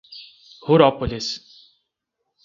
Rurópolis